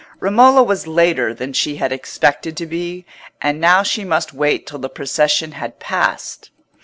Romola was later than she had expected to be, and now she must wait till the procession had passed.